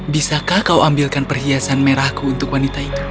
bisakah kau ambilkan perhiasan merahku untuk wanita itu